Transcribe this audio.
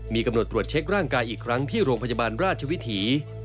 มีกำหนดตรวจเช็คร่างกายอีกครั้งที่โรงพยาบาลราชวิถี